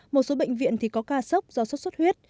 một số bệnh viện thì có ca sốc do sốt xuất huyết